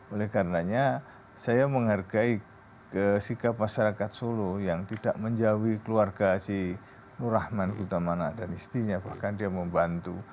oleh karenanya saya menghargai sikap masyarakat solo yang tidak menjauhi keluarga si nur rahman utamana dan istrinya bahkan dia membantu